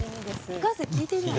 お母さん聞いてない。